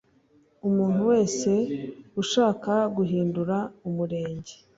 Umuntu wese ushaka guhindura Umurenge